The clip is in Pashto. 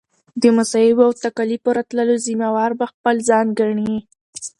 د مصائبو او تکاليفو راتللو ذمه وار به خپل ځان ګڼي